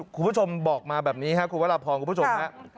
คุณผู้ชมบอกมาแบบนี้ครับคุณวรพรคุณผู้ชมฮะ